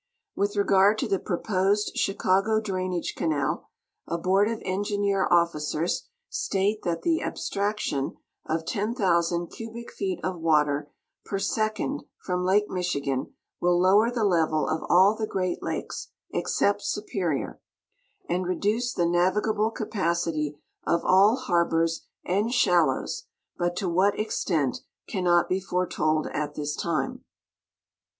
With regard to the propo.sed Chicago drainage canal, a board of engi neer officers state that the abstraction of 10,000 cubic feet of water ]ier second from lake Michigan will lower the level of all the great lakes ex cept Superior, and reduce the navigable capacity of all harbors and shal lows, but to what extent cannot be foretold at this time.